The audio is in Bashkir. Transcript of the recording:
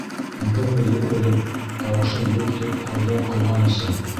Егерме йыл элек, тауышың юҡ, тип хорҙан ҡыуған өсөн.